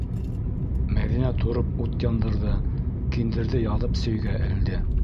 ...Мәҙинә тороп ут яндырҙы, киндерҙе яҙып сөйгә элде.